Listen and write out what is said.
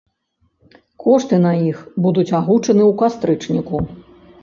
Кошты на іх будуць агучаны ў кастрычніку.